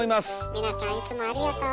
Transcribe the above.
皆さんいつもありがとう。